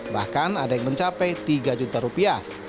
bahkan ada yang mencapai tiga juta rupiah